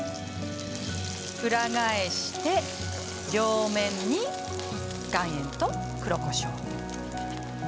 裏返して両面に岩塩と黒こしょう。